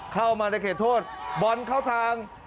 เข้ามาในเขตโทษบอลเข้าทาง